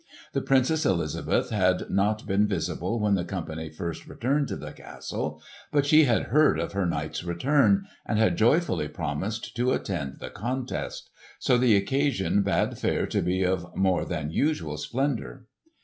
The Princess Elizabeth had not been visible when the company first returned to the castle. But she had heard of her knight's return, and had joyfully promised to attend the contest; so the occasion bade fair to be of more than usual splendour.